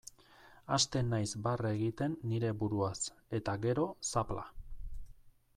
Hasten naiz barre egiten nire buruaz, eta gero, zapla.